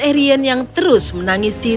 arion yang terus menangisi